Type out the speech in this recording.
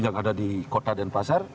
yang ada di kota denpasar